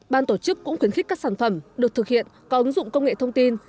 ban tổ chức cũng khuyến khích các sản phẩm được thực hiện có ứng dụng công nghệ thông tin